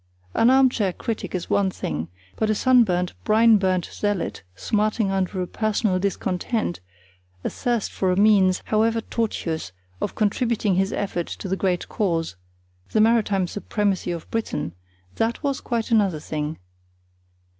An armchair critic is one thing, but a sunburnt, brine burnt zealot smarting under a personal discontent, athirst for a means, however tortuous, of contributing his effort to the great cause, the maritime supremacy of Britain, that was quite another thing.